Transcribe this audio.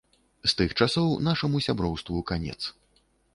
З тых часоў нашаму сяброўству канец.